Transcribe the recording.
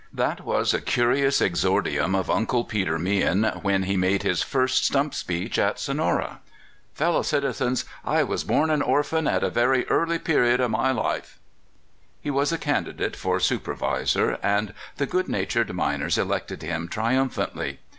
That was a curious exordium of '' Uncle Peter Mehan," when he made his first stump speech at Sonora: "Fellow citizens, I zvas boni an orphan at a very early period of my li'fe/' He was a candidate for supervisor, and the good natured miners elected him triumphantly.